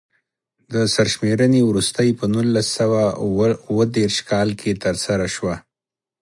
د سرشمېرنې وروستۍ په نولس سوه اووه دېرش کال کې ترسره شوه.